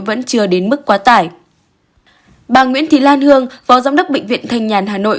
vẫn chưa đến mức quá tải bà nguyễn thị lan hương phó giám đốc bệnh viện thanh nhàn hà nội